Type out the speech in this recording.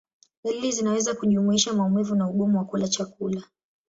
Dalili zinaweza kujumuisha maumivu na ugumu wa kula chakula.